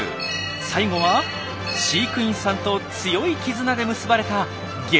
最後は飼育員さんと強い絆で結ばれた激